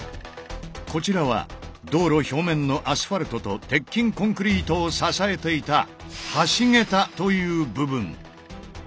こちらは道路表面のアスファルトと鉄筋コンクリートを支えていた「橋桁」という部分。